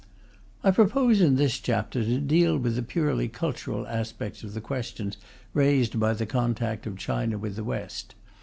I propose in this chapter to deal with the purely cultural aspects of the questions raised by the contact of China with the West.